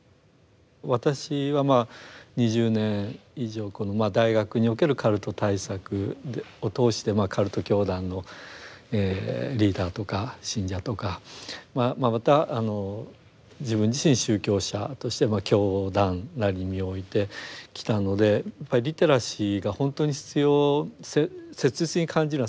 私は２０年以上大学におけるカルト対策を通してカルト教団のリーダーとか信者とかまた自分自身宗教者として教団内に身を置いてきたのでやっぱりリテラシーが本当に必要切実に感じるのは内的な方なんですね。